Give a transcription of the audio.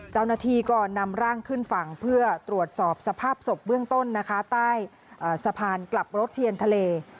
เจ้าหน้าที่ก็นำร่างขึ้นฝั่งเพื่อตรวจสอบสภาพศพเบื้องต้นนะคะใต้สะพานกลับรถเทียนทะเล